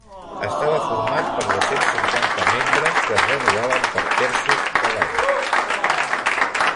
Estava format per dos-cents cinquanta membres, que es renovaven per terços cada any.